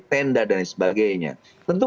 tenda dan sebagainya tentu